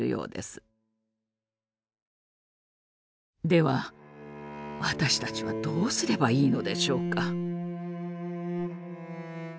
では私たちはどうすればいいのでしょうか？